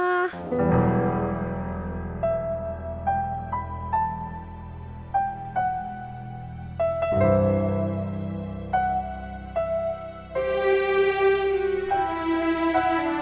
ayah mama kemana